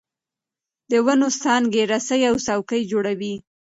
د ونو څانګې رسۍ او څوکۍ جوړوي.